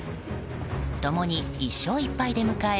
共に１勝１敗で迎え